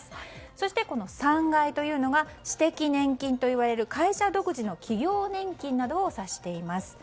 そして３階というのが私的年金といわれる会社独自の企業年金などを指しています。